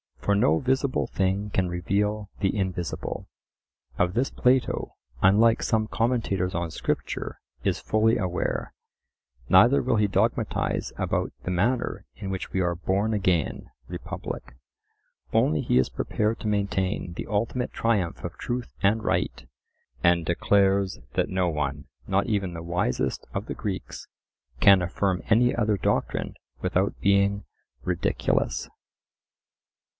For no visible thing can reveal the invisible. Of this Plato, unlike some commentators on Scripture, is fully aware. Neither will he dogmatize about the manner in which we are "born again" (Republic). Only he is prepared to maintain the ultimate triumph of truth and right, and declares that no one, not even the wisest of the Greeks, can affirm any other doctrine without being ridiculous.